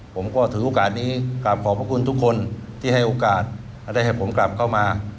ผมก็ถือโอกาสนี้กลับขอบพระคุณทุกคนที่ให้โอกาสได้ให้ผมกลับเข้ามา